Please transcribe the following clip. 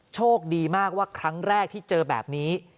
โชคดีมากว่าครั้งแรกที่เจอแบบนี้